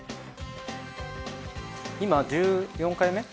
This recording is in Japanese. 今１４回目？